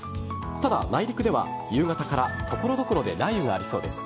ただ、内陸では夕方から所々で雷雨がありそうです。